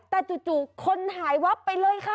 แต่จู่คนหายวับไปเลยค่ะ